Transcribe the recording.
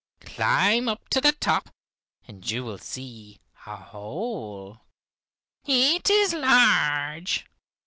Climb up to the top, and you will see a hole. It is large.